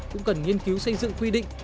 cũng cần nghiên cứu xây dựng quy định